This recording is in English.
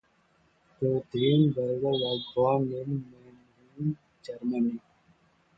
Rothenberger was born in Mannheim, Germany.